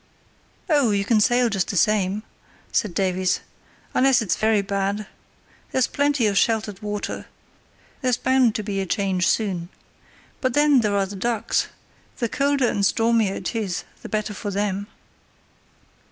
"Oh, you can sail just the same," said Davies, "unless it's very bad. There's plenty of sheltered water. There's bound to be a change soon. But then there are the ducks. The colder and stormier it is, the better for them."